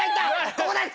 ここです！